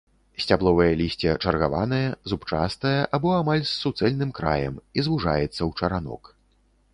Сцябловае лісце чаргаванае, зубчастае або амаль з суцэльным краем і звужаецца ў чаранок.